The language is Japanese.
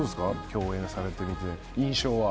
共演されてみて印象は。